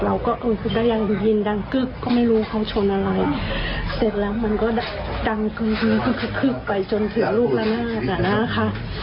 เราก็ก็ยังได้ยินดังกึ๊กก็ไม่รู้เขาชนอะไรเสร็จแล้วมันก็ดังกึ๊กไปจนถึงลูกละนาดอ่ะนะคะ